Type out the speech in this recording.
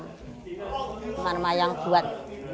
kembar mayang buat